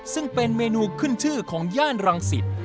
ซึ่งเป็นเมนูขึ้นชื่อของย่านรังสิต